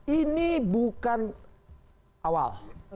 ini bukan awal